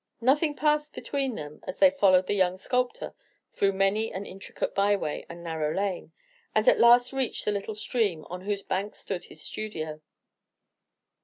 Nothing passed between them as they followed the young sculptor through many an intricate by way and narrow lane, and at last reached the little stream on whose bank stood his studio.